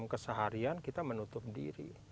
keseharian kita menutup diri